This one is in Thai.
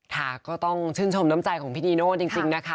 ค่ะก็ต้องชื่นชมน้ำใจของพี่นีโน่จริงนะคะ